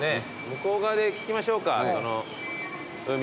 向こう側で聞きましょうか海。